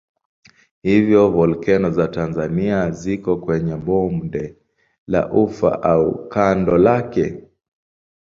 Hivyo volkeno za Tanzania ziko kwenye bonde la Ufa au kando lake.